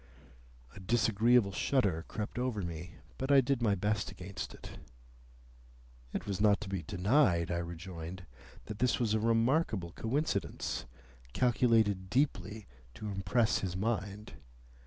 A disagreeable shudder crept over me, but I did my best against it. It was not to be denied, I rejoined, that this was a remarkable coincidence, calculated deeply to impress his mind.